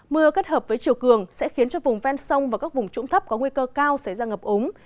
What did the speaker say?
mưa kết hợp với chiều cường sẽ khiến cho vùng ven sông và các vùng trũng thấp có nguy cơ cao xảy ra ngập ống